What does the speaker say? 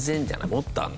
もっと？